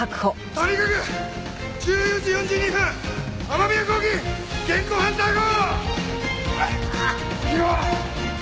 とにかく１４時４２分雨宮光喜現行犯逮捕！